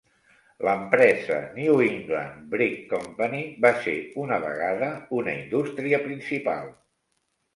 L'empresa New England Brick Company va ser una vegada una indústria principal.